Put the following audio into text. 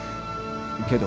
けど。